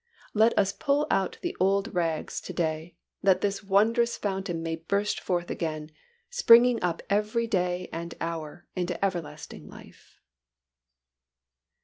Let us pull out the old rags to day that this wondrous fountain may burst forth again, springing up every day and hour into everlasting life.